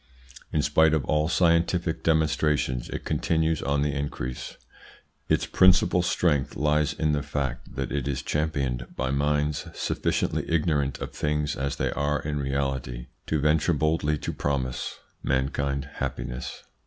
In spite of all scientific demonstrations it continues on the increase. Its principal strength lies in the fact that it is championed by minds sufficiently ignorant of things as they are in reality to venture boldly to promise mankind happiness.